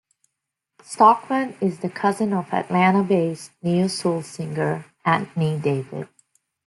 Stockman is the cousin of Atlanta-based neo-soul singer Anthony David.